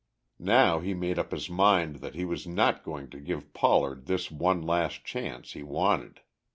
Now he made up his mind that he was not going to give Pollard this one last chance he wanted.